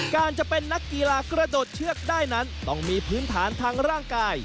การจะเป็นนักกีฬากระโดดเชือกได้นั้นต้องมีพื้นฐานทางร่างกาย